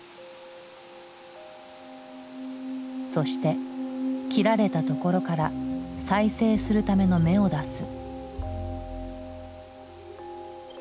そして切られたところから再生するための芽を出す。